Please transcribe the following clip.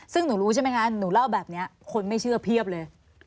ซึ่งหนูรู้ใช่ไหมคะหนูเล่าแบบนี้คนไม่เชื่อเพียบเลย